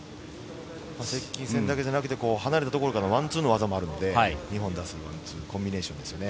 接近戦だけじゃなくて離れたところからワンツーの技もあるので２本だすコンビネーションですね。